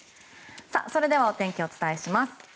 それではお天気をお伝えします。